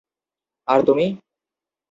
আর তুমি?